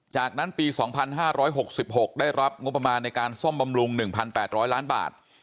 จากนั้นปี๒๕๖๖ได้รับงบประมาณในการซ่อมบำรุง๑๘๐๐ล้านบาท